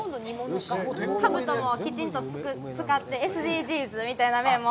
かぶともきちんと使ってＳＤＧｓみたいな面も。